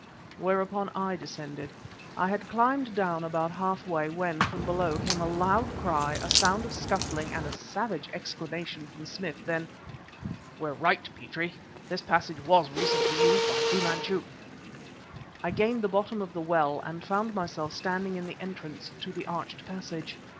Whereupon I descended. I had climbed down about half way when, from below, came a loud cry, a sound of scuffling, and a savage exclamation from Smith. Then "We're right, Petrie! This passage was recently used by Fu Manchu!" I gained the bottom of the well, and found myself standing in the entrance to an arched passage.